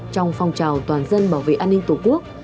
trong phong trào toàn dân bảo vệ an ninh tổ quốc